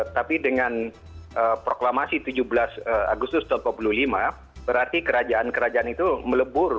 tapi dengan proklamasi tujuh belas agustus seribu sembilan ratus empat puluh lima berarti kerajaan kerajaan itu melebur